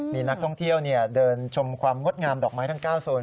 มีนักท่องเที่ยวเดินชมความงดงามดอกไม้ทั้ง๙โซน